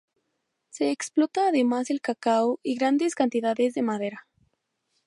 Se explota además el cacao y grandes cantidades de madera.